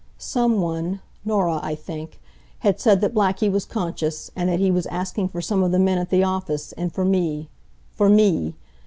Some one Norah, I think had said that Blackie was conscious, and that he was asking for some of the men at the office, and for me. For me!